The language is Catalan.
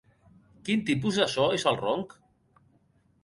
Quin tipus de so és el ronc?